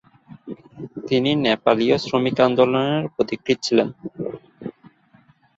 তিনি নেপালীয় শ্রমিক আন্দোলনের পথিকৃৎ ছিলেন।